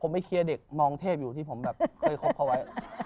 ไปเคลียร์เด็กมองเทพอยู่ที่ผมแบบเคยคบเขาไว้